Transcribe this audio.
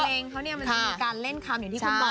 แต่ในเพลงเขาเนี่ยมันจะมีการเล่นคำอยู่ที่คุณบอกใช่ไหม